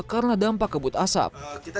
karena dampak kabut asap